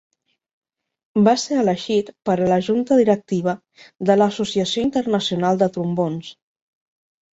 Va ser elegit per a la Junta Directiva de l'Associació Internacional de Trombons.